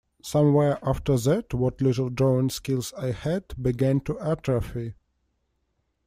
Somewhere after that what little drawing skills I had began to atrophy.